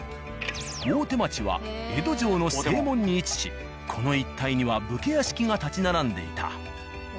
大手町は江戸城の正門に位置しこの一帯には武家屋敷が建ち並んでいた。